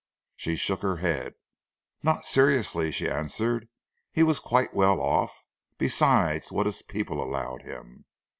She shook her head. "Not seriously," she answered. "He was quite well off, besides what his people allowed him.